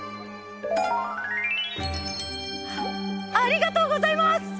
ありがとうございます！